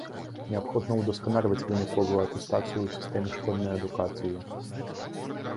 Неабходна удасканальваць выніковую атэстацыю ў сістэме школьнай адукацыі.